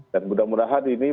dan mudah mudahan ini bukan